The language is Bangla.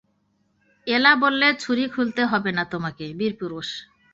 এলা বললে, ছুরি খুলতে হবে না তোমাকে, বীরপুরুষ।